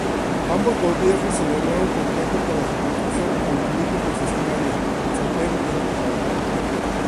Ambos gobiernos celebraron contrato para su construcción con el mismo concesionario: Don Santiago Temple.